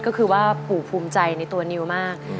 ก็คือว่าปู่ภูมิใจในตัวนิวมาก